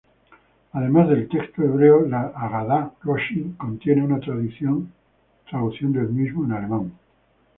Además del texto hebreo, la "Hagadá Rothschild" contiene una traducción del mismo en alemán.